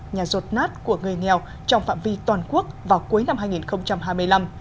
nhà rột nát của người nghèo trong phạm vi toàn quốc vào cuối năm hai nghìn hai mươi năm